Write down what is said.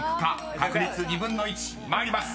確率２分の１］［参ります。